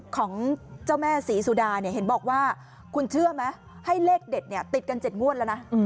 ของเจ้าแม่ศรีสุดาเนี่ยเห็นบอกว่าคุณเชื่อไหมให้เลขเด็ดเนี่ยติดกัน๗งวดแล้วนะ